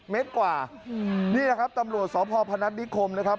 เมตรกว่านี่แหละครับตำรวจสพพนัฐนิคมนะครับ